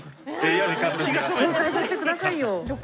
紹介させてくださいよ。